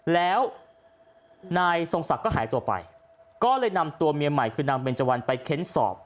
แล้วนายทรงศักดิ์ก็หายตัวไปก็เลยนำตัวเมียใหม่คือนางเบนเจวันไปเค้นสอบ